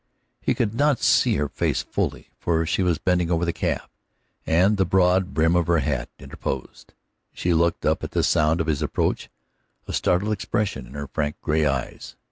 He could not see her face fully, for she was bending over the calf, and the broad brim of her hat interposed. She looked up at the sound of his approach, a startled expression in her frank, gray eyes.